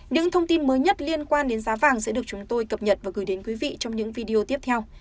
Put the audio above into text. những thông tin mới nhất liên quan đến giá vàng sẽ được chúng tôi cập nhật và gửi đến quý vị trong những video tiếp theo